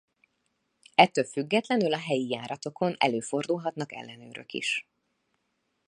Ettől függetlenül a helyi járatokon előfordulnak ellenőrök is.